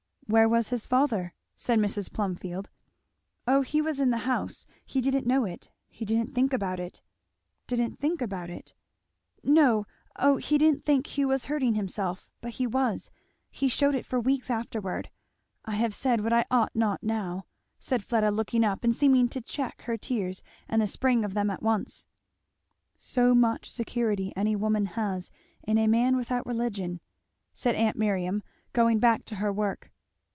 "Where was his father?" said Mrs. Plumfield. "Oh he was in the house he didn't know it he didn't think about it." "Didn't think about it!" "No O he didn't think Hugh was hurting himself, but he was he shewed it for weeks afterward. I have said what I ought not now," said Fleda looking up and seeming to check her tears and the spring of them at once. "So much security any woman has in a man without religion!" said aunt Miriam, going back to her work.